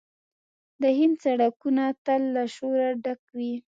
د هند سړکونه تل له شوره ډک وي.